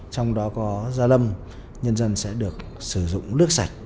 trong đó có gia lâm nhân dân sẽ được sử dụng nước sạch